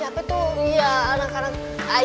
ya udah kita ke rumah